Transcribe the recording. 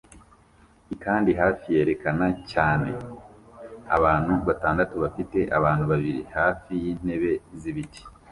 i kandi hafi yerekana cyane ni abantu batandatu bafite abantu babiri hafi y'intebe z'ibiti